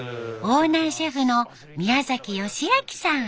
オーナーシェフの宮崎義章さん。